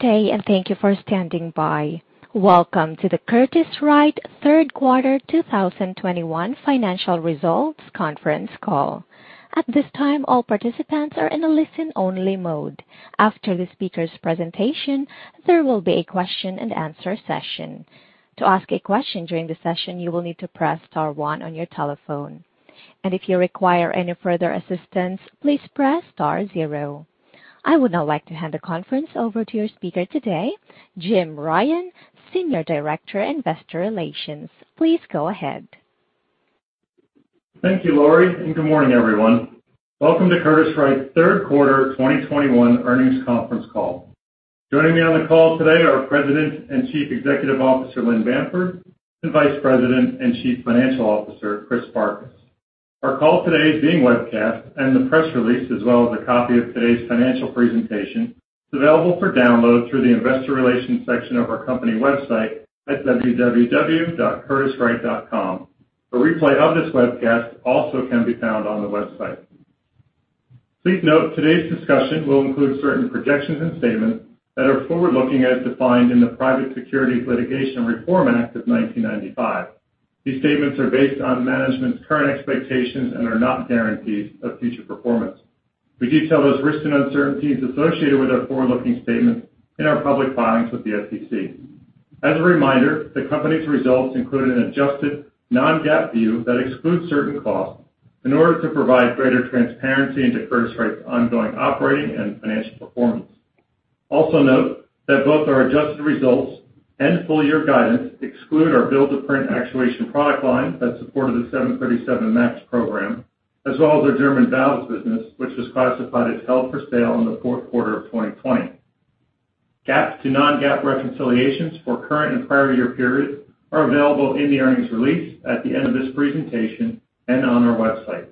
Good day, and thank you for standing by. Welcome to the Curtiss-Wright third quarter 2021 financial results conference call. At this time, all participants are in a listen-only mode. After the speaker's presentation, there will be a question-and-answer session. To ask a question during the session, you will need to press star one on your telephone. If you require any further assistance, please press star zero. I would now like to hand the conference over to your speaker today, Jim Ryan, Senior Director, Investor Relations. Please go ahead. Thank you, Laurie, and good morning, everyone. Welcome to Curtiss-Wright's third quarter 2021 earnings conference call. Joining me on the call today are President and Chief Executive Officer Lynn Bamford and Vice President and Chief Financial Officer Chris Farkas. Our call today is being webcast, and the press release, as well as a copy of today's financial presentation, is available for download through the investor relations section of our company website at www.curtisswright.com. A replay of this webcast also can be found on the website. Please note today's discussion will include certain projections and statements that are forward-looking as defined in the Private Securities Litigation Reform Act of 1995. These statements are based on management's current expectations and are not guarantees of future performance. We detail those risks and uncertainties associated with our forward-looking statements in our public filings with the SEC. As a reminder, the company's results include an adjusted non-GAAP view that excludes certain costs in order to provide greater transparency into Curtiss-Wright's ongoing operating and financial performance. Also note that both our adjusted results and full-year guidance exclude our build-to-print actuation product line that supported the 737 MAX program, as well as our German valves business, which was classified as held for sale in the fourth quarter of 2020. GAAP to non-GAAP reconciliations for current and prior year periods are available in the earnings release at the end of this presentation and on our website.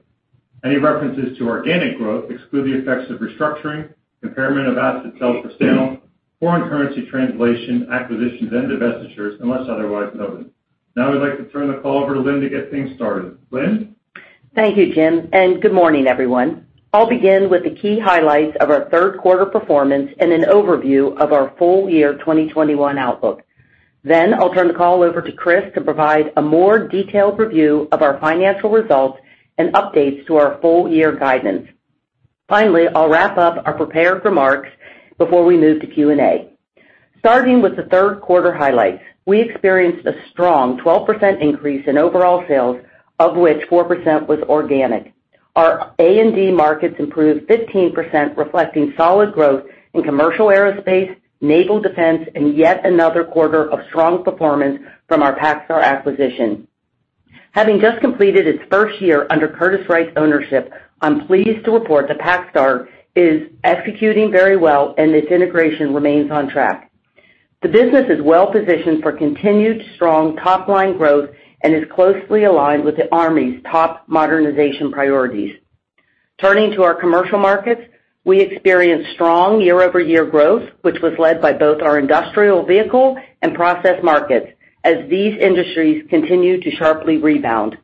Any references to organic growth exclude the effects of restructuring, impairment of assets held for sale, foreign currency translation, acquisitions, and divestitures unless otherwise noted. Now I'd like to turn the call over to Lynn to get things started. Lynn? Thank you, Jim, and good morning, everyone. I'll begin with the key highlights of our third quarter performance and an overview of our full year 2021 outlook. Then I'll turn the call over to Chris to provide a more detailed review of our financial results and updates to our full year guidance. Finally, I'll wrap up our prepared remarks before we move to Q&A. Starting with the third quarter highlights, we experienced a strong 12% increase in overall sales, of which 4% was organic. Our A&D markets improved 15%, reflecting solid growth in commercial aerospace, naval defense, and yet another quarter of strong performance from our PacStar acquisition. Having just completed its first year under Curtiss-Wright's ownership, I'm pleased to report that PacStar is executing very well and its integration remains on track. The business is well-positioned for continued strong top-line growth and is closely aligned with the Army's top modernization priorities. Turning to our commercial markets, we experienced strong year-over-year growth, which was led by both our industrial vehicle and process markets as these industries continue to sharply rebound.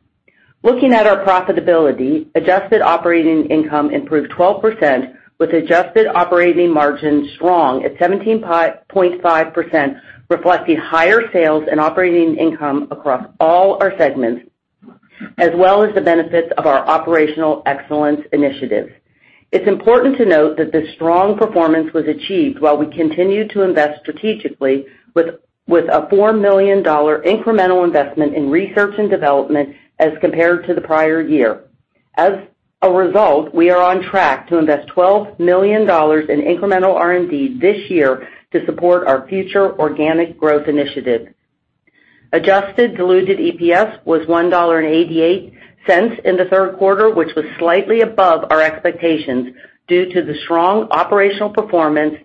Looking at our profitability, adjusted operating income improved 12% with adjusted operating margins strong at 17.5%, reflecting higher sales and operating income across all our segments, as well as the benefits of our operational excellence initiatives. It's important to note that this strong performance was achieved while we continued to invest strategically with a $4 million incremental investment in research and development as compared to the prior year. As a result, we are on track to invest $12 million in incremental R&D this year to support our future organic growth initiatives. Adjusted diluted EPS was $1.88 in the third quarter, which was slightly above our expectations due to the strong operational performance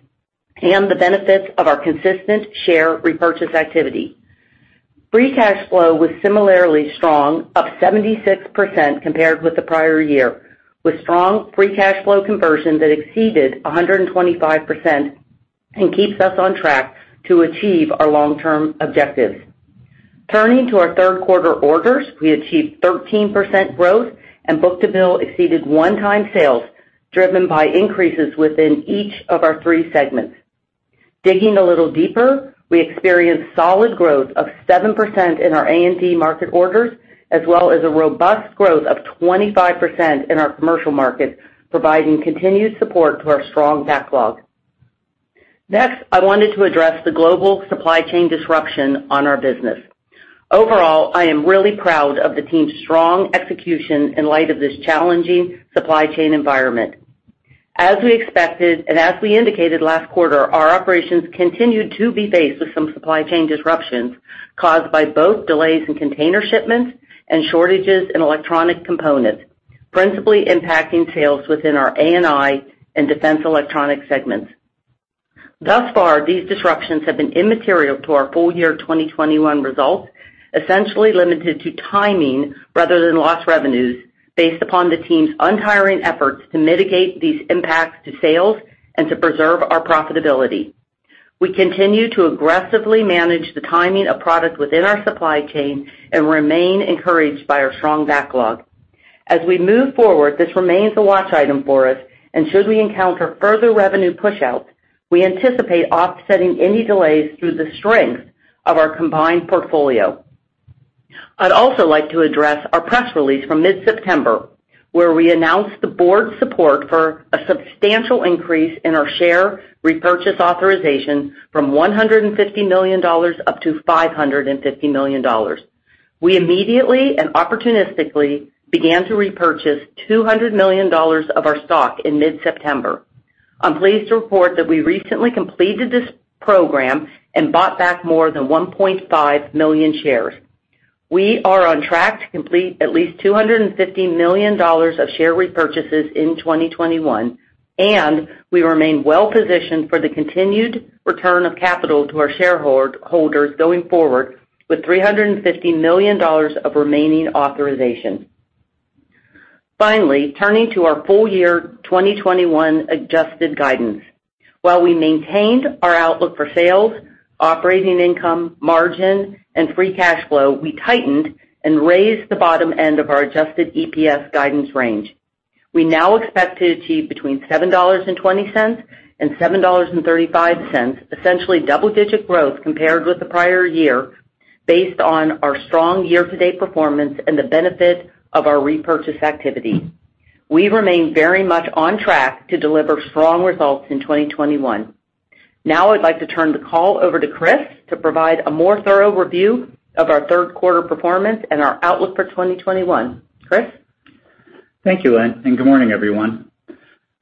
and the benefits of our consistent share repurchase activity. Free cash flow was similarly strong, up 76% compared with the prior year, with strong free cash flow conversion that exceeded 125% and keeps us on track to achieve our long-term objectives. Turning to our third quarter orders, we achieved 13% growth and book-to-bill exceeded 1:1 sales, driven by increases within each of our three segments. Digging a little deeper, we experienced solid growth of 7% in our A&D market orders, as well as a robust growth of 25% in our commercial markets, providing continued support to our strong backlog. Next, I wanted to address the global supply chain disruption on our business. Overall, I am really proud of the team's strong execution in light of this challenging supply chain environment. As we expected and as we indicated last quarter, our operations continued to be faced with some supply chain disruptions caused by both delays in container shipments and shortages in electronic components, principally impacting sales within our A&I and Defense Electronics segments. Thus far, these disruptions have been immaterial to our full year 2021 results, essentially limited to timing rather than lost revenues based upon the team's untiring efforts to mitigate these impacts to sales and to preserve our profitability. We continue to aggressively manage the timing of product within our supply chain and remain encouraged by our strong backlog. As we move forward, this remains a watch item for us, and should we encounter further revenue pushouts, we anticipate offsetting any delays through the strength of our combined portfolio. I'd also like to address our press release from mid-September, where we announced the board's support for a substantial increase in our share repurchase authorization from $150 million up to $550 million. We immediately and opportunistically began to repurchase $200 million of our stock in mid-September. I'm pleased to report that we recently completed this program and bought back more than 1.5 million shares. We are on track to complete at least $250 million of share repurchases in 2021, and we remain well-positioned for the continued return of capital to our shareholders going forward with $350 million of remaining authorization. Finally, turning to our full year 2021 adjusted guidance. While we maintained our outlook for sales, operating income, margin, and free cash flow, we tightened and raised the bottom end of our adjusted EPS guidance range. We now expect to achieve between $7.20 and $7.35, essentially double-digit growth compared with the prior year, based on our strong year-to-date performance and the benefit of our repurchase activity. We remain very much on track to deliver strong results in 2021. Now I'd like to turn the call over to Chris to provide a more thorough review of our third quarter performance and our outlook for 2021. Chris? Thank you, Lynn, and good morning, everyone.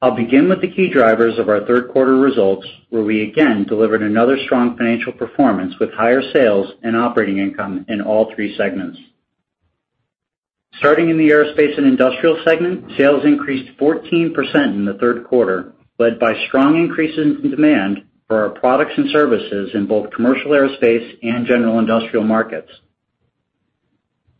I'll begin with the key drivers of our third quarter results, where we again delivered another strong financial performance with higher sales and operating income in all three segments. Starting in the Aerospace and Industrial segment, sales increased 14% in the third quarter, led by strong increases in demand for our products and services in both commercial aerospace and general industrial markets.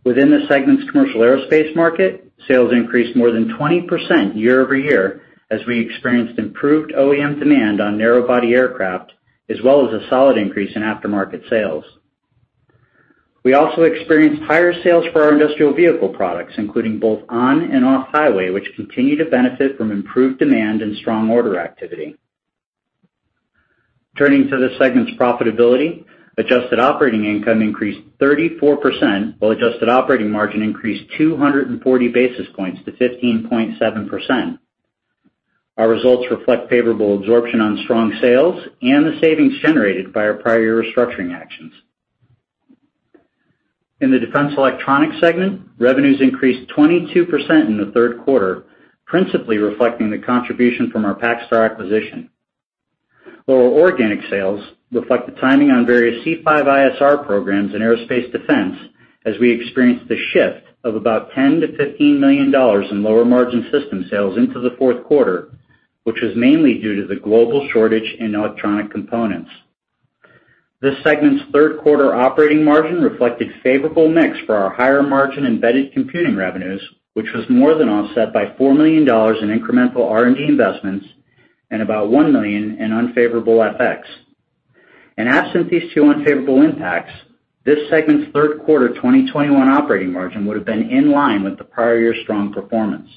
Within the segment's commercial aerospace market, sales increased more than 20% year-over-year as we experienced improved OEM demand on narrow-body aircraft, as well as a solid increase in aftermarket sales. We also experienced higher sales for our industrial vehicle products, including both on- and off-highway, which continue to benefit from improved demand and strong order activity. Turning to the segment's profitability, adjusted operating income increased 34%, while adjusted operating margin increased 240 basis points to 15.7%. Our results reflect favorable absorption on strong sales and the savings generated by our prior year restructuring actions. In the Defense Electronics segment, revenues increased 22% in the third quarter, principally reflecting the contribution from our PacStar acquisition, while our organic sales reflect the timing on various C5ISR programs in aerospace defense as we experienced a shift of about $10 million-$15 million in lower margin system sales into the fourth quarter, which was mainly due to the global shortage in electronic components. This segment's third quarter operating margin reflected favorable mix for our higher margin embedded computing revenues, which was more than offset by $4 million in incremental R&D investments and about $1 million in unfavorable FX. Absent these two unfavorable impacts, this segment's third quarter 2021 operating margin would have been in line with the prior year's strong performance.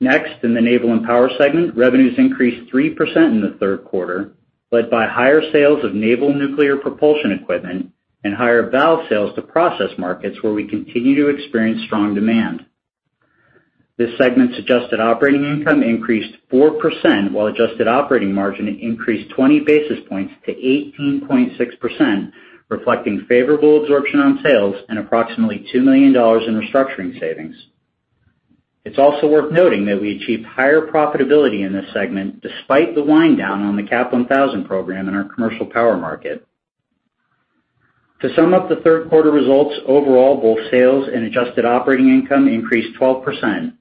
Next, in the Naval & Power segment, revenues increased 3% in the third quarter, led by higher sales of naval nuclear propulsion equipment and higher valve sales to process markets where we continue to experience strong demand. This segment's adjusted operating income increased 4%, while adjusted operating margin increased 20 basis points to 18.6%, reflecting favorable absorption on sales and approximately $2 million in restructuring savings. It's also worth noting that we achieved higher profitability in this segment despite the wind down on the AP1000 program in our commercial power market. To sum up the third quarter results overall, both sales and adjusted operating income increased 12%.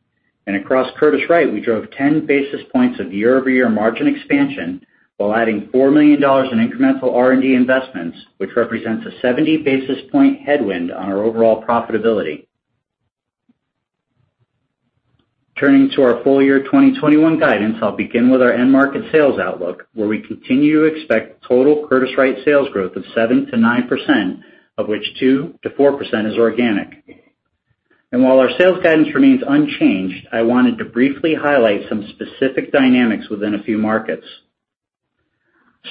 Across Curtiss-Wright, we drove 10 basis points of year-over-year margin expansion while adding $4 million in incremental R&D investments, which represents a 70 basis point headwind on our overall profitability. Turning to our full year 2021 guidance, I'll begin with our end market sales outlook, where we continue to expect total Curtiss-Wright sales growth of 7%-9%, of which 2%-4% is organic. While our sales guidance remains unchanged, I wanted to briefly highlight some specific dynamics within a few markets.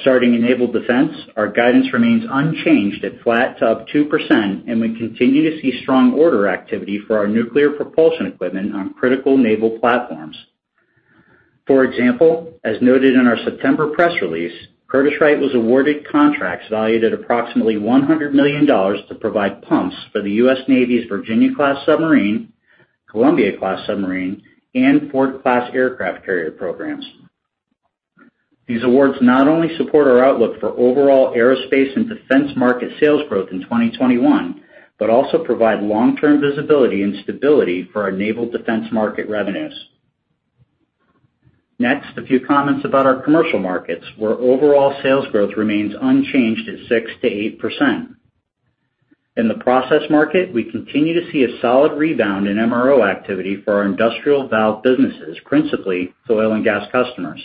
Starting in naval defense, our guidance remains unchanged at flat to up 2%, and we continue to see strong order activity for our nuclear propulsion equipment on critical naval platforms. For example, as noted in our September press release, Curtiss-Wright was awarded contracts valued at approximately $100 million to provide pumps for the U.S. Navy's Virginia-class submarine, Columbia-class submarine, and Ford-class aircraft carrier programs. These awards not only support our outlook for overall aerospace and defense market sales growth in 2021, but also provide long-term visibility and stability for our naval defense market revenues. Next, a few comments about our commercial markets, where overall sales growth remains unchanged at 6%-8%. In the process market, we continue to see a solid rebound in MRO activity for our industrial valve businesses, principally oil and gas customers.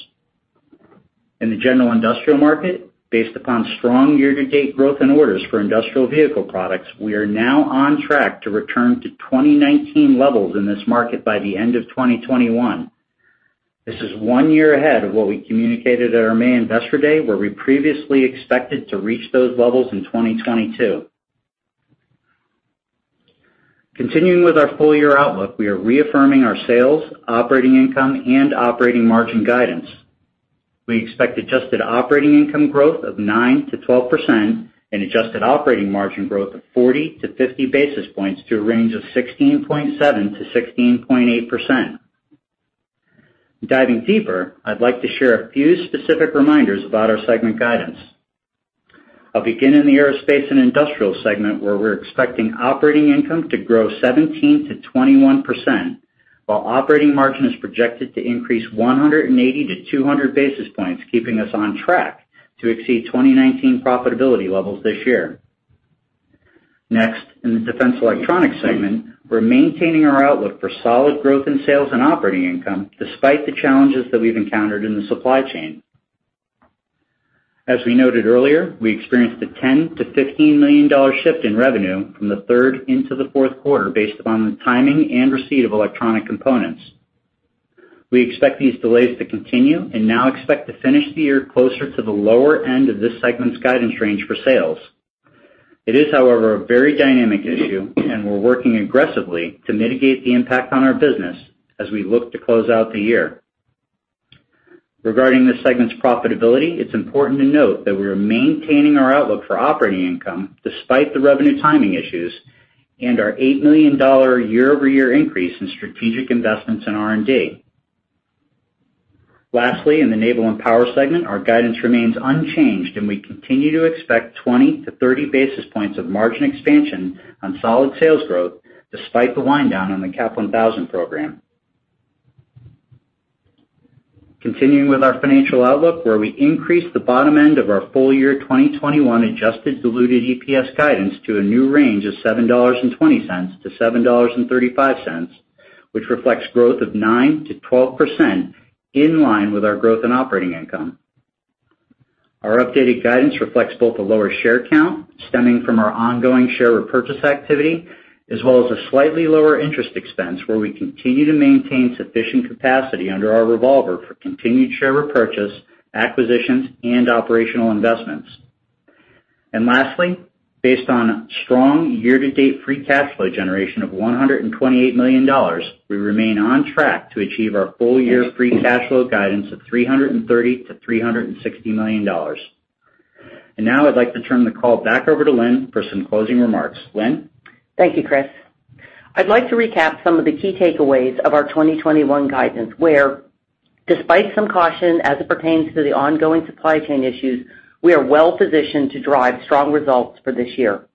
In the general industrial market, based upon strong year-to-date growth in orders for industrial vehicle products, we are now on track to return to 2019 levels in this market by the end of 2021. This is one year ahead of what we communicated at our May Investor Day, where we previously expected to reach those levels in 2022. Continuing with our full-year outlook, we are reaffirming our sales, operating income, and operating margin guidance. We expect adjusted operating income growth of 9%-12% and adjusted operating margin growth of 40-50 basis points to a range of 16.7%-16.8%. Diving deeper, I'd like to share a few specific reminders about our segment guidance. I'll begin in the Aerospace and Industrial segment, where we're expecting operating income to grow 17%-21%, while operating margin is projected to increase 180-200 basis points, keeping us on track to exceed 2019 profitability levels this year. Next, in the Defense Electronics segment, we're maintaining our outlook for solid growth in sales and operating income despite the challenges that we've encountered in the supply chain. As we noted earlier, we experienced a $10 million-$15 million shift in revenue from the third into the fourth quarter based upon the timing and receipt of electronic components. We expect these delays to continue and now expect to finish the year closer to the lower end of this segment's guidance range for sales. It is, however, a very dynamic issue, and we're working aggressively to mitigate the impact on our business as we look to close out the year. Regarding this segment's profitability, it's important to note that we are maintaining our outlook for operating income despite the revenue timing issues and our $8 million year-over-year increase in strategic investments in R&D. Lastly, in the Naval & Power segment, our guidance remains unchanged, and we continue to expect 20 to 30 basis points of margin expansion on solid sales growth despite the wind down on the AP1000 program. Continuing with our financial outlook, where we increased the bottom end of our full year 2021 adjusted diluted EPS guidance to a new range of $7.20-$7.35, which reflects growth of 9%-12% in line with our growth in operating income. Our updated guidance reflects both a lower share count stemming from our ongoing share repurchase activity, as well as a slightly lower interest expense where we continue to maintain sufficient capacity under our revolver for continued share repurchase, acquisitions, and operational investments. Lastly, based on strong year-to-date free cash flow generation of $128 million, we remain on track to achieve our full-year free cash flow guidance of $330 million-$360 million. Now I'd like to turn the call back over to Lynn for some closing remarks. Lynn? Thank you, Chris. I'd like to recap some of the key takeaways of our 2021 guidance, where despite some caution as it pertains to the ongoing supply chain issues, we are well-positioned to drive strong results for this year.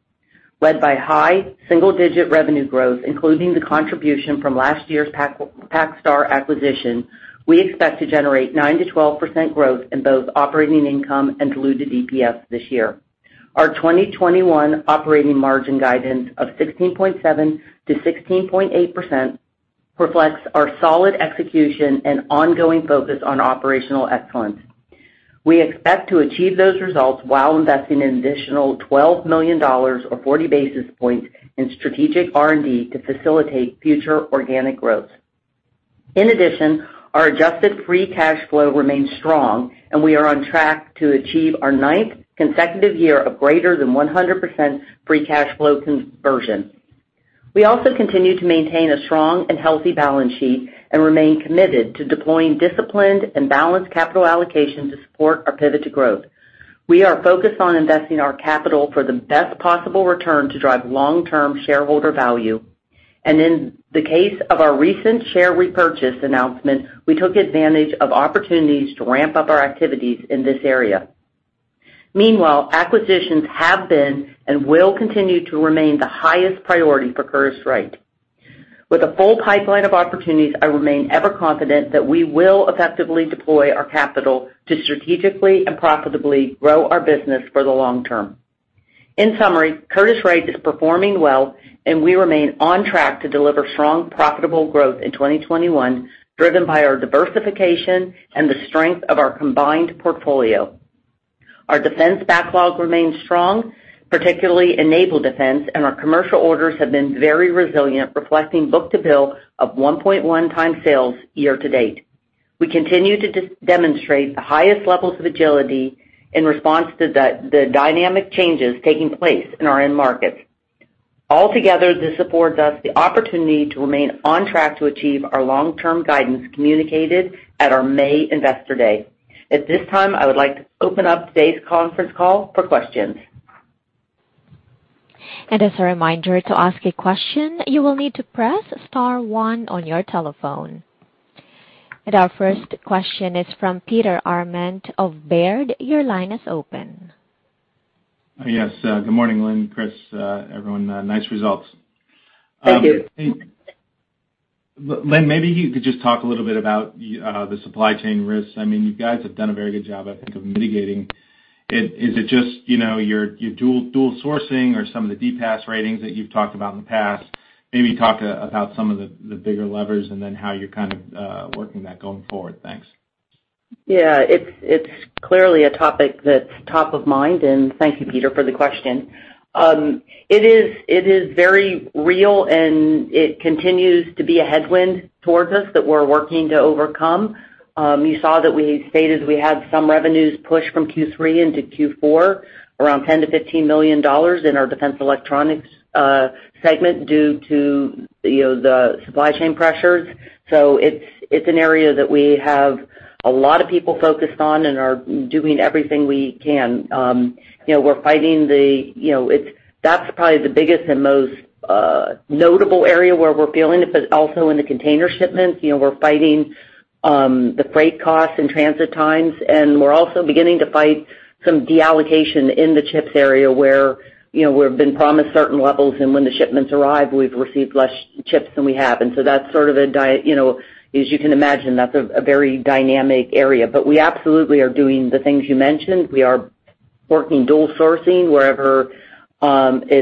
Led by high single-digit revenue growth, including the contribution from last year's PacStar acquisition, we expect to generate 9%-12% growth in both operating income and diluted EPS this year. Our 2021 operating margin guidance of 16.7%-16.8% reflects our solid execution and ongoing focus on operational excellence. We expect to achieve those results while investing an additional $12 million or 40 basis points in strategic R&D to facilitate future organic growth. In addition, our adjusted free cash flow remains strong, and we are on track to achieve our ninth consecutive year of greater than 100% free cash flow conversion. We also continue to maintain a strong and healthy balance sheet and remain committed to deploying disciplined and balanced capital allocation to support our Pivot to Growth. We are focused on investing our capital for the best possible return to drive long-term shareholder value. In the case of our recent share repurchase announcement, we took advantage of opportunities to ramp up our activities in this area. Meanwhile, acquisitions have been and will continue to remain the highest priority for Curtiss-Wright. With a full pipeline of opportunities, I remain ever confident that we will effectively deploy our capital to strategically and profitably grow our business for the long term. In summary, Curtiss-Wright is performing well, and we remain on track to deliver strong, profitable growth in 2021, driven by our diversification and the strength of our combined portfolio. Our defense backlog remains strong, particularly in naval defense, and our commercial orders have been very resilient, reflecting book-to-bill of 1.1 times sales year to date. We continue to demonstrate the highest levels of agility in response to the dynamic changes taking place in our end markets. Altogether, this affords us the opportunity to remain on track to achieve our long-term guidance communicated at our May Investor Day. At this time, I would like to open up today's conference call for questions. As a reminder, to ask a question, you will need to press star one on your telephone. Our first question is from Peter Arment of Baird. Your line is open. Yes. Good morning, Lynn, Chris, everyone. Nice results. Thank you. Lynn, maybe you could just talk a little bit about the supply chain risks. I mean, you guys have done a very good job, I think, of mitigating. Is it just, you know, your dual sourcing or some of the DPAS ratings that you've talked about in the past? Maybe talk about some of the bigger levers and then how you're working that going forward. Thanks. Yeah, it's clearly a topic that's top of mind, and thank you, Peter, for the question. It is very real, and it continues to be a headwind towards us that we're working to overcome. You saw that we stated we had some revenues pushed from Q3 into Q4, around $10 million-$15 million in our Defense Electronics segment due to you know, the supply chain pressures. So it's an area that we have a lot of people focused on and are doing everything we can. You know, we're fighting it. That's probably the biggest and most notable area where we're feeling it, but also in the container shipments. You know, we're fighting the freight costs and transit times, and we're also beginning to fight some deallocation in the chips area where, you know, we've been promised certain levels, and when the shipments arrive, we've received less chips than we have. That's sort of a dynamic area, you know, as you can imagine. We absolutely are doing the things you mentioned. We are working dual sourcing wherever, you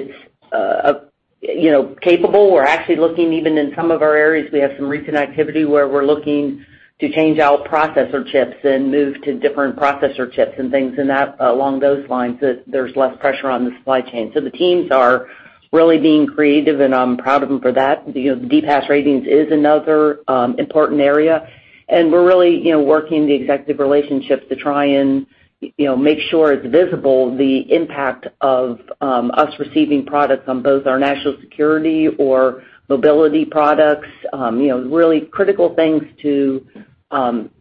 know, it's capable. We're actually looking even in some of our areas, we have some recent activity where we're looking to change out processor chips and move to different processor chips and things in that, along those lines, so there's less pressure on the supply chain. The teams are really being creative, and I'm proud of them for that. You know, the DPAS ratings is another important area, and we're really, you know, working the executive relationships to try and, you know, make sure it's visible, the impact of us receiving products on both our national security or mobility products, you know, really critical things to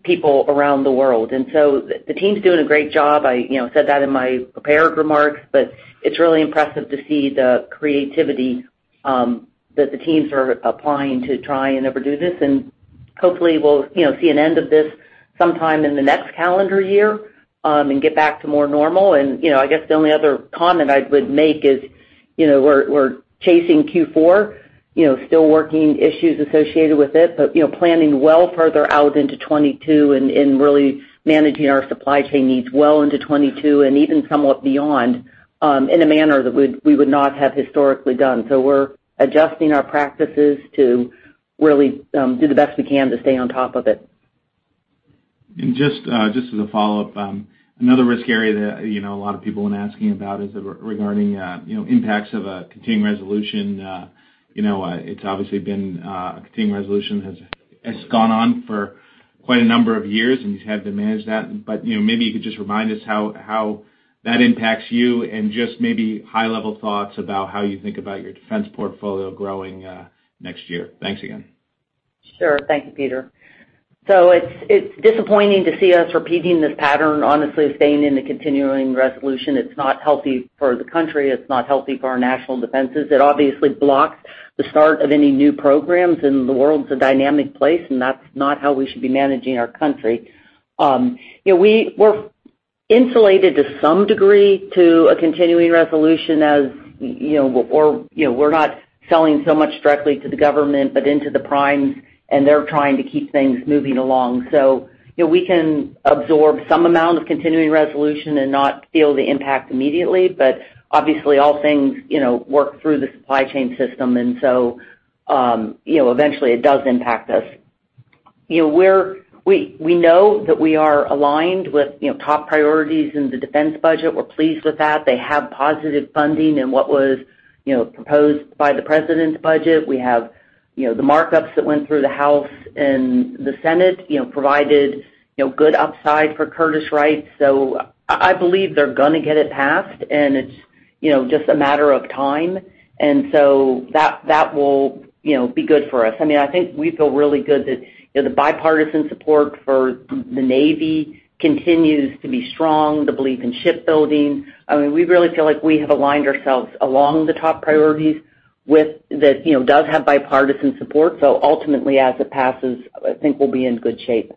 people around the world. The team's doing a great job. I, you know, said that in my prepared remarks, but it's really impressive to see the creativity that the teams are applying to try and overcome this. Hopefully, we'll, you know, see an end of this sometime in the next calendar year, and get back to more normal. you know, I guess the only other comment I would make is, you know, we're chasing Q4, you know, still working issues associated with it, but, you know, planning well further out into 2022 and really managing our supply chain needs well into 2022 and even somewhat beyond, in a manner that we would not have historically done. We're adjusting our practices to really do the best we can to stay on top of it. Just as a follow-up, another risk area that, you know, a lot of people have been asking about is regarding, you know, impacts of a continuing resolution. You know, it's obviously been a continuing resolution that has gone on for quite a number of years, and you've had to manage that. You know, maybe you could just remind us how that impacts you and just maybe high-level thoughts about how you think about your defense portfolio growing next year. Thanks again. Sure. Thank you, Peter. It's disappointing to see us repeating this pattern, honestly, staying in the continuing resolution. It's not healthy for the country. It's not healthy for our national defenses. It obviously blocks the start of any new programs, and the world's a dynamic place, and that's not how we should be managing our country. You know, we're insulated to some degree to a continuing resolution as you know. We're not selling so much directly to the government, but into the primes, and they're trying to keep things moving along. You know, we can absorb some amount of continuing resolution and not feel the impact immediately. But obviously, all things, you know, work through the supply chain system. You know, eventually, it does impact us. You know, we know that we are aligned with, you know, top priorities in the defense budget. We're pleased with that. They have positive funding in what was, you know, proposed by the president's budget. We have, you know, the markups that went through the House and the Senate, you know, provided, you know, good upside for Curtiss-Wright. I believe they're gonna get it passed, and it's, you know, just a matter of time. That will, you know, be good for us. I mean, I think we feel really good that, you know, the bipartisan support for the Navy continues to be strong, the belief in shipbuilding. I mean, we really feel like we have aligned ourselves along the top priorities with that, you know, does have bipartisan support. Ultimately, as it passes, I think we'll be in good shape.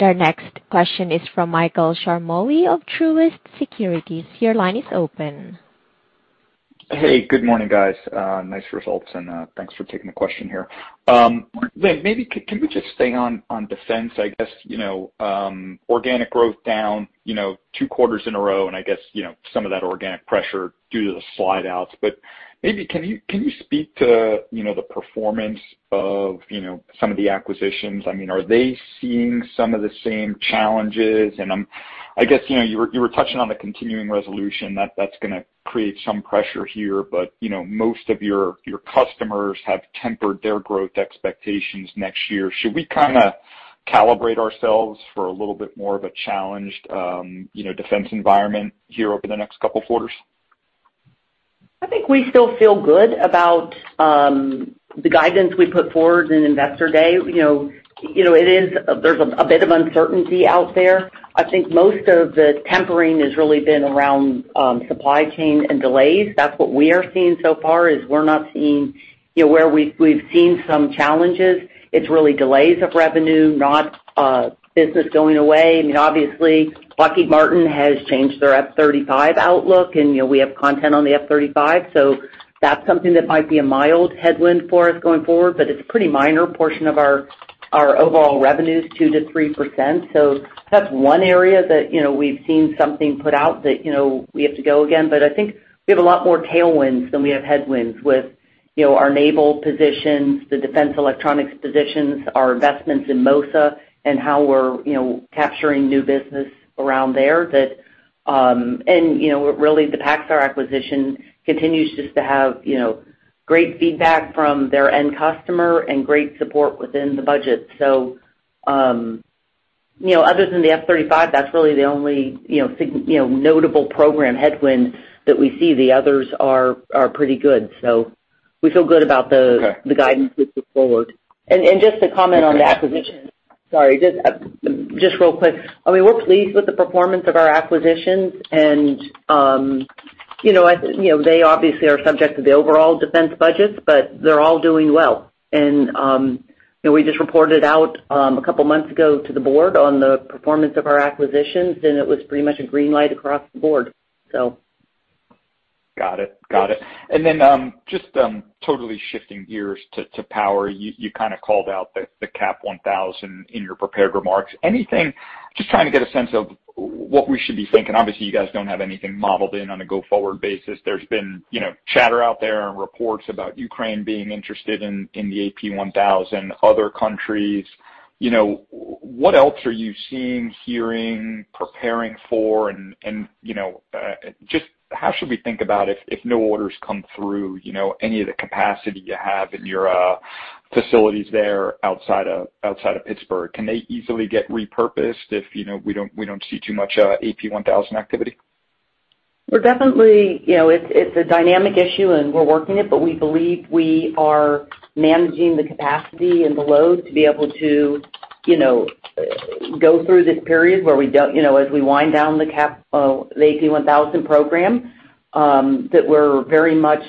Our next question is from Michael Ciarmoli of Truist Securities. Your line is open. Hey, good morning, guys. Nice results, and thanks for taking the question here. Lynn, maybe can we just stay on defense? I guess, you know, organic growth down, you know, two quarters in a row, and I guess, you know, some of that organic pressure due to the slide outs. But maybe can you speak to, you know, the performance of, you know, some of the acquisitions? I mean, are they seeing some of the same challenges? And I guess, you know, you were touching on the continuing resolution that's gonna create some pressure here. But, you know, most of your customers have tempered their growth expectations next year. Should we kinda calibrate ourselves for a little bit more of a challenged defense environment here over the next couple of quarters? I think we still feel good about the guidance we put forward in Investor Day. You know, there's a bit of uncertainty out there. I think most of the tempering has really been around supply chain and delays. That's what we are seeing so far, is we're not seeing, you know, where we've seen some challenges. It's really delays of revenue, not business going away. I mean, obviously, Lockheed Martin has changed their F-35 outlook, and, you know, we have content on the F-35. So that's something that might be a mild headwind for us going forward, but it's a pretty minor portion of our overall revenue is 2%-3%. So that's one area that, you know, we've seen something put out that, you know, we have to go again. I think we have a lot more tailwinds than we have headwinds with, you know, our naval positions, the Defense Electronics positions, our investments in MOSA and how we're, you know, capturing new business around there that and, you know, really the PacStar acquisition continues just to have, you know, great feedback from their end customer and great support within the budget. Other than the F-35, that's really the only, you know, notable program headwind that we see. The others are pretty good. We feel good about the Okay. The guidance going forward. Just to comment on the acquisition. Sorry, real quick. I mean, we're pleased with the performance of our acquisitions and, you know, they obviously are subject to the overall defense budget, but they're all doing well. You know, we just reported out a couple months ago to the board on the performance of our acquisitions, and it was pretty much a green light across the board. Got it. Got it. Yes. Totally shifting gears to power. You kind of called out the AP1000 in your prepared remarks. Anything, just trying to get a sense of what we should be thinking. Obviously, you guys don't have anything modeled in on a go-forward basis. There's been, you know, chatter out there and reports about Ukraine being interested in the AP1000, other countries. You know, what else are you seeing, hearing, preparing for? You know, just how should we think about if no orders come through, you know, any of the capacity you have in your facilities there outside of Pittsburgh? Can they easily get repurposed if, you know, we don't see too much AP1000 activity? We're definitely, you know, it's a dynamic issue, and we're working it, but we believe we are managing the capacity and the loads to be able to, you know, go through this period where we don't, you know, as we wind down the AP1000 program, that we're very much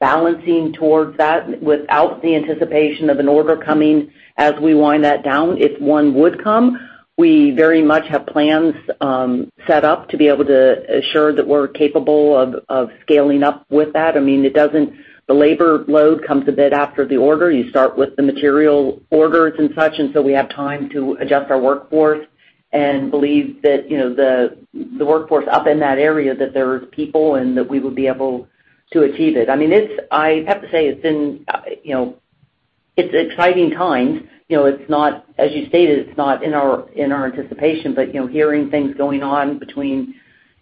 balancing towards that without the anticipation of an order coming as we wind that down. If one would come, we very much have plans set up to be able to assure that we're capable of scaling up with that. I mean, the labor load comes a bit after the order. You start with the material orders and such, and so we have time to adjust our workforce and believe that, you know, the workforce up in that area, that there's people and that we would be able to achieve it. I mean, I have to say it's been, you know, it's exciting times. You know, it's not, as you stated, it's not in our anticipation. You know, hearing things going on between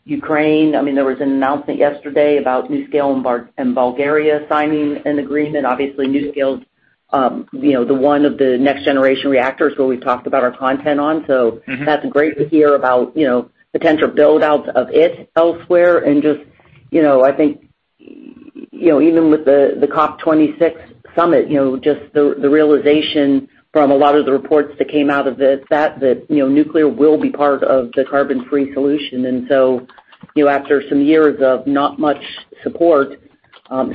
Ukraine. I mean, there was an announcement yesterday about NuScale and Bulgaria signing an agreement. Obviously, NuScale's, you know, one of the next-generation reactors where we've talked about our content on. Mm-hmm. That's great to hear about, you know, potential build-outs of it elsewhere and just, you know, I think, you know, even with the COP26 summit, you know, just the realization from a lot of the reports that came out of the fact that, you know, nuclear will be part of the carbon-free solution. You know, after some years of not much support,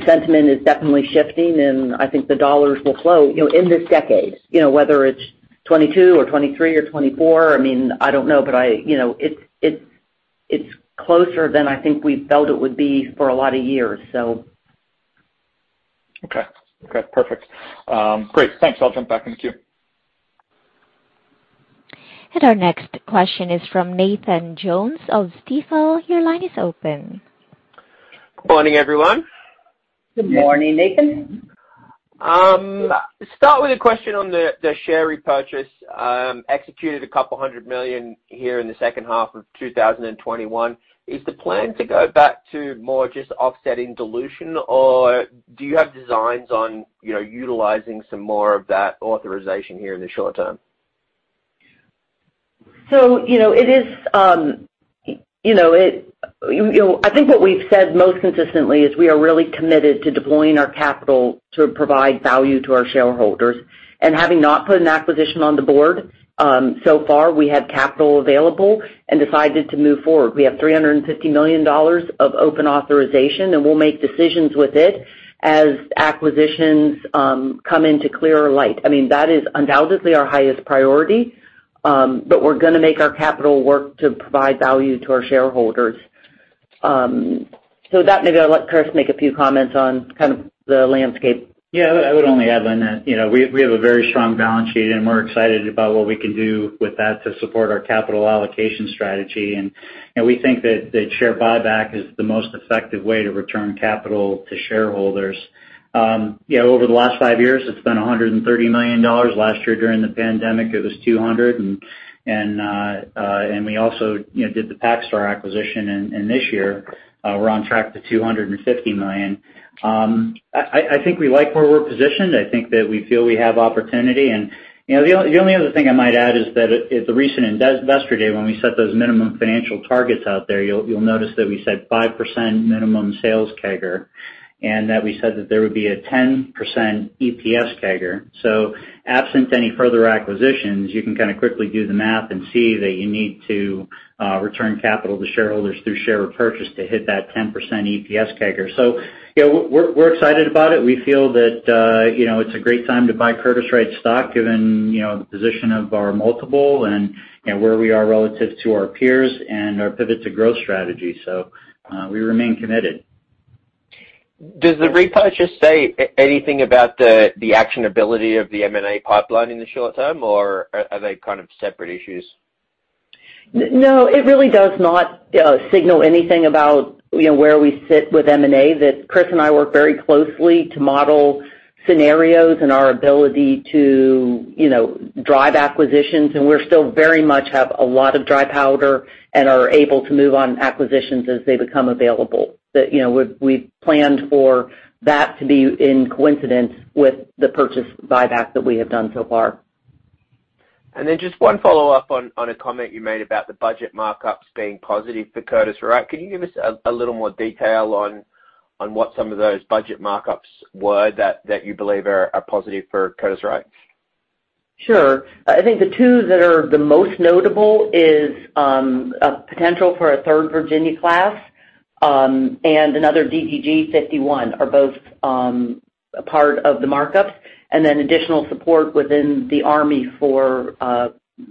sentiment is definitely shifting, and I think the dollars will flow, you know, in this decade. You know, whether it's 2022 or 2023 or 2024, I mean, I don't know, but I you know, it's closer than I think we felt it would be for a lot of years. Okay. Okay, perfect. Great. Thanks. I'll jump back in the queue. Our next question is from Nathan Jones of Stifel. Your line is open. Good morning, everyone. Good morning, Nathan. Start with a question on the share repurchase executed $200 million here in the second half of 2021. Is the plan to go back to more just offsetting dilution, or do you have designs on, you know, utilizing some more of that authorization here in the short term? You know, I think what we've said most consistently is we are really committed to deploying our capital to provide value to our shareholders. Having not put an acquisition on the board, so far, we had capital available and decided to move forward. We have $350 million of open authorization, and we'll make decisions with it as acquisitions come into clearer light. I mean, that is undoubtedly our highest priority, but we're gonna make our capital work to provide value to our shareholders. With that, maybe I'll let Chris make a few comments on kind of the landscape. Yeah. I would only add on that, you know, we have a very strong balance sheet, and we're excited about what we can do with that to support our capital allocation strategy. You know, we think that share buyback is the most effective way to return capital to shareholders. You know, over the last five years, it's been $130 million. Last year, during the pandemic, it was $200, and we also, you know, did the PacStar acquisition. This year, we're on track to $250 million. I think we like where we're positioned. I think that we feel we have opportunity. You know, the only other thing I might add is that at the recent Investor Day, when we set those minimum financial targets out there, you'll notice that we said 5% minimum sales CAGR, and that we said that there would be a 10% EPS CAGR. Absent any further acquisitions, you can kind of quickly do the math and see that you need to return capital to shareholders through share repurchase to hit that 10% EPS CAGR. You know, we're excited about it. We feel that you know, it's a great time to buy Curtiss-Wright stock given, you know, the position of our multiple and, you know, where we are relative to our peers and our Pivot to Growth strategy. We remain committed. Does the repurchase say anything about the actionability of the M&A pipeline in the short term, or are they kind of separate issues? No, it really does not signal anything about, you know, where we sit with M&A. That Chris and I work very closely to model scenarios and our ability to, you know, drive acquisitions. We're still very much have a lot of dry powder and are able to move on acquisitions as they become available. You know, we've planned for that to be in coincidence with the share buyback that we have done so far. Just one follow-up on a comment you made about the budget markups being positive for Curtiss-Wright. Can you give us a little more detail on what some of those budget markups were that you believe are positive for Curtiss-Wright? Sure. I think the two that are the most notable is a potential for a third Virginia-class, and another DDG-51 are both a part of the markups, and then additional support within the Army for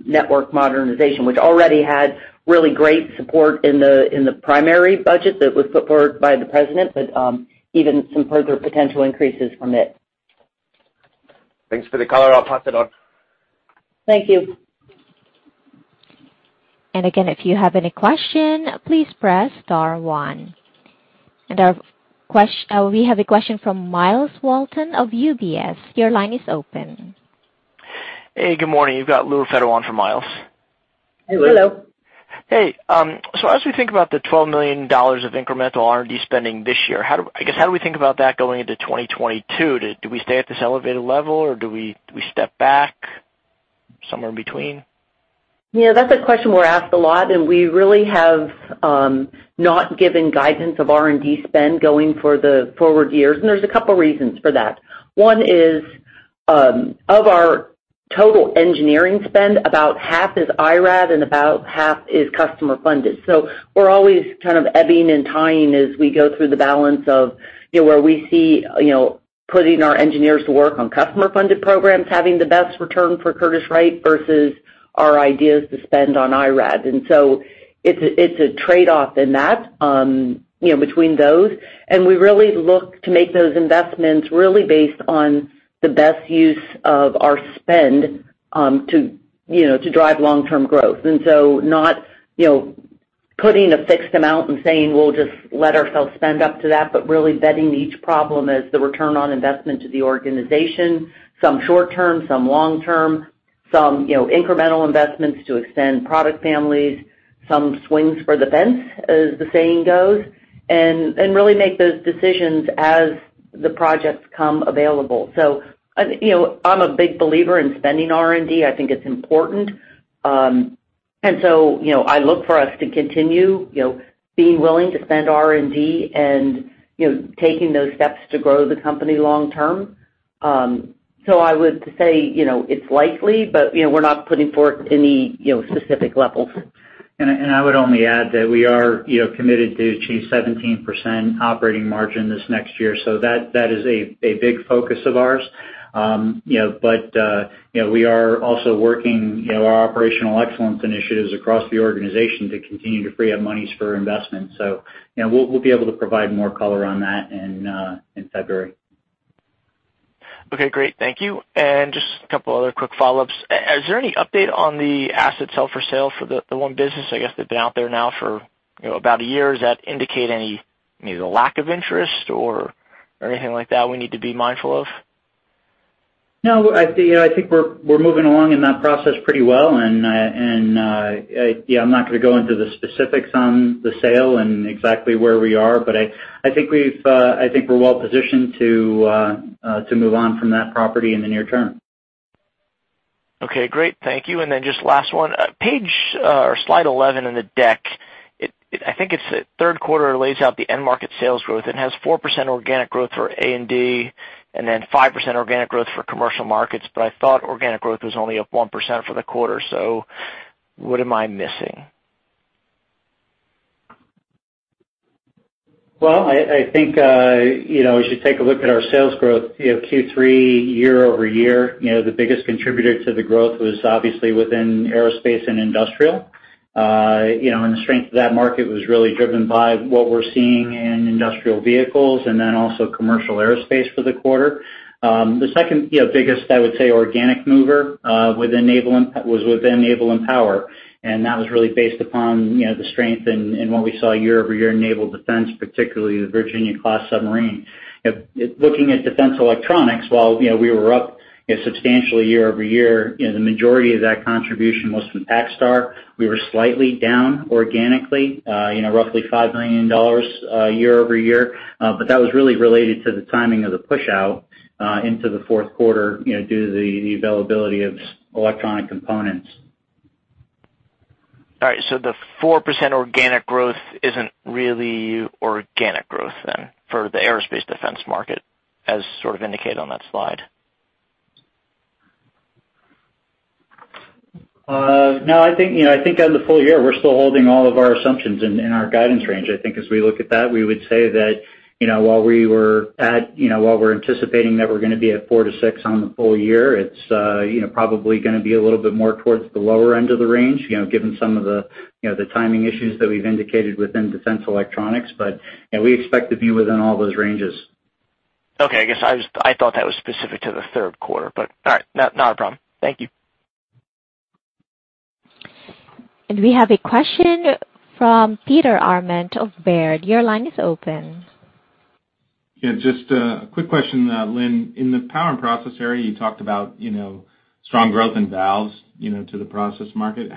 network modernization, which already had really great support in the primary budget that was put forward by the president, but even some further potential increases from it. Thanks for the color. I'll pass it on. Thank you. Again, if you have any question, please press star one. We have a question from Myles Walton of UBS. Your line is open. Hey, good morning. You've got Lou Raffetto on for Myles. Hey, Lou. Hey, as we think about the $12 million of incremental R&D spending this year, how do, I guess, how do we think about that going into 2022? Do we stay at this elevated level, or do we step back, somewhere in between? Yeah, that's a question we're asked a lot, and we really have not given guidance of R&D spend going for the forward years, and there's a couple reasons for that. One is, of our total engineering spend, about half is IRAD and about half is customer funded. We're always kind of ebbing and flowing as we go through the balance of, you know, where we see, you know, putting our engineers to work on customer-funded programs, having the best return for Curtiss-Wright versus our ideas to spend on IRAD. It's a trade-off in that, you know, between those. We really look to make those investments really based on the best use of our spend, to, you know, to drive long-term growth. Not, you know, putting a fixed amount and saying, we'll just let ourselves spend up to that, but really vetting each problem as the return on investment to the organization, some short term, some long term, some, you know, incremental investments to extend product families, some swings for the fence, as the saying goes, and really make those decisions as the projects come available. You know, I'm a big believer in spending R&D. I think it's important. You know, I look for us to continue, you know, being willing to spend R&D and, you know, taking those steps to grow the company long term. I would say, you know, it's likely, but, you know, we're not putting forth any, you know, specific levels. I would only add that we are, you know, committed to achieve 17% operating margin this next year. That is a big focus of ours. You know, we are also working, you know, our operational excellence initiatives across the organization to continue to free up monies for investment. You know, we'll be able to provide more color on that in February. Okay, great. Thank you. Just a couple other quick follow-ups. Is there any update on the asset held for sale for the German valves business, I guess, that's been out there now for, you know, about a year? Does that indicate any, you know, lack of interest or anything like that we need to be mindful of? No, I think, you know, I think we're moving along in that process pretty well. Yeah, I'm not gonna go into the specifics on the sale and exactly where we are, but I think we're well positioned to move on from that property in the near term. Okay, great. Thank you. Just last one. Page or slide 11 in the deck, I think it's the third quarter lays out the end market sales growth. It has 4% organic growth for A&D and then 5% organic growth for commercial markets, but I thought organic growth was only up 1% for the quarter, so what am I missing? Well, I think, you know, as you take a look at our sales growth, you know, Q3 year-over-year, you know, the biggest contributor to the growth was obviously within Aerospace and Industrial. The strength of that market was really driven by what we're seeing in industrial vehicles and then also commercial aerospace for the quarter. The second, you know, biggest, I would say, organic mover within Naval and Power was really based upon, you know, the strength in what we saw year-over-year in naval defense, particularly the Virginia-class submarine. Looking at Defense Electronics, you know, we were up substantially year-over-year, you know, the majority of that contribution was from PacStar. We were slightly down organically, you know, roughly $5 million year-over-year. That was really related to the timing of the pushout into the fourth quarter, you know, due to the availability of electronic components. All right, the 4% organic growth isn't really organic growth then for the aerospace defense market as sort of indicated on that slide? No, I think, you know, I think on the full year, we're still holding all of our assumptions in our guidance range. I think as we look at that, we would say that, you know, while we're anticipating that we're gonna be at four to six on the full year, it's, you know, probably gonna be a little bit more towards the lower end of the range, you know, given some of the, you know, the timing issues that we've indicated within Defense Electronics. You know, we expect to be within all those ranges. Okay. I guess I thought that was specific to the third quarter, but all right. Not a problem. Thank you. We have a question from Peter Arment of Baird. Your line is open. Yeah, just a quick question, Lynn. In the power and process area, you talked about, you know, strong growth in valves, you know, to the process market.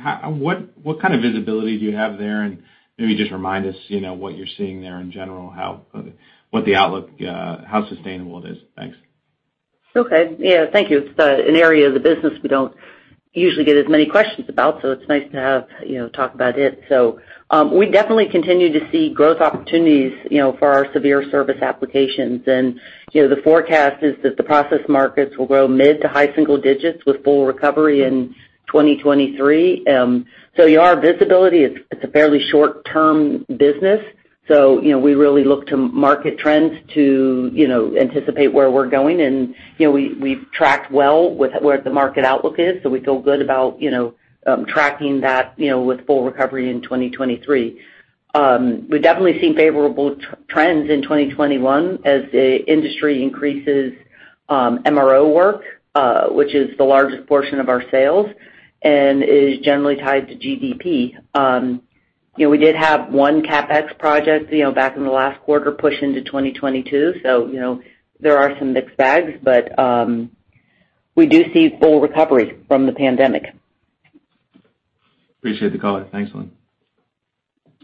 What kind of visibility do you have there? And maybe just remind us, you know, what you're seeing there in general, what the outlook, how sustainable it is. Thanks. Okay. Yeah. Thank you. It's an area of the business we don't usually get as many questions about, so it's nice to have, you know, talk about it. We definitely continue to see growth opportunities, you know, for our severe service applications. The forecast is that the process markets will grow mid- to high-single-digit % with full recovery in 2023. Your visibility, it's a fairly short-term business. We really look to market trends to, you know, anticipate where we're going. We've tracked well with where the market outlook is, so we feel good about, you know, tracking that, you know, with full recovery in 2023. We've definitely seen favorable trends in 2021 as the industry increases MRO work, which is the largest portion of our sales and is generally tied to GDP. You know, we did have one CapEx project, you know, back in the last quarter pushed into 2022. You know, there are some mixed bags, but we do see full recovery from the pandemic. Appreciate the color. Thanks, Lynn.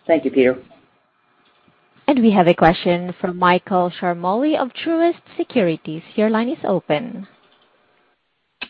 Thank you, Peter. We have a question from Michael Ciarmoli of Truist Securities. Your line is open.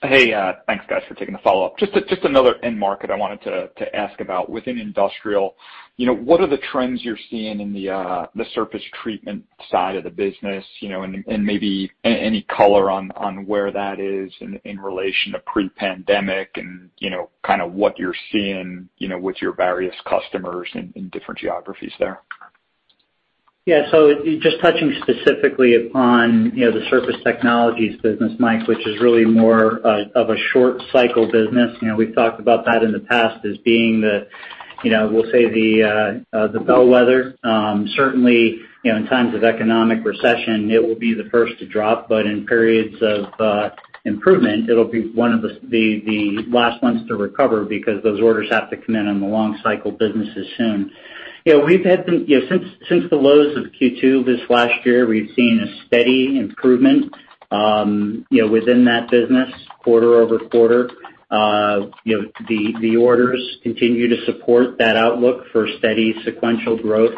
Hey. Thanks, guys, for taking the follow-up. Just another end market I wanted to ask about. Within industrial, you know, what are the trends you're seeing in the surface treatment side of the business? You know, and maybe any color on where that is in relation to pre-pandemic and, you know, kinda what you're seeing, you know, with your various customers in different geographies there. Just touching specifically upon the Surface Technologies business, Mike, which is really more of a short cycle business. We've talked about that in the past as being the bellwether. Certainly, in times of economic recession, it will be the first to drop. In periods of improvement, it'll be one of the last ones to recover because those orders have to come in on the long cycle businesses soon. We've seen a steady improvement since the lows of Q2 this last year within that business quarter-over-quarter. The orders continue to support that outlook for steady sequential growth.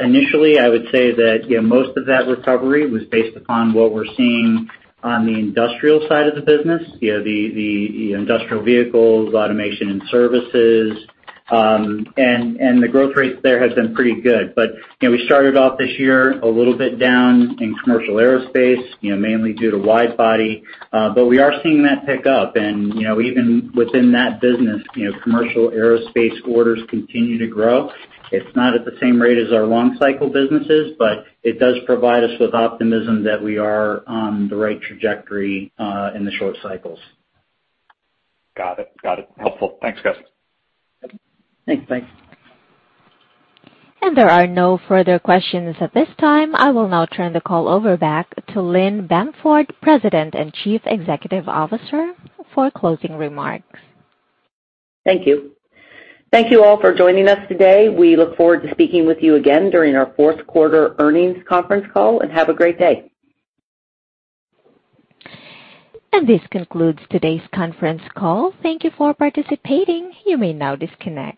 Initially, I would say that, you know, most of that recovery was based upon what we're seeing on the industrial side of the business, you know, the industrial vehicles, automation, and services. The growth rates there have been pretty good. You know, we started off this year a little bit down in commercial aerospace, you know, mainly due to wide body. We are seeing that pick up. You know, even within that business, you know, commercial aerospace orders continue to grow. It's not at the same rate as our long cycle businesses, but it does provide us with optimism that we are on the right trajectory in the short cycles. Got it. Helpful. Thanks, guys. Thanks, Mike. There are no further questions at this time. I will now turn the call over back to Lynn Bamford, President and Chief Executive Officer, for closing remarks. Thank you. Thank you all for joining us today. We look forward to speaking with you again during our fourth quarter earnings conference call, and have a great day. This concludes today's conference call. Thank you for participating. You may now disconnect.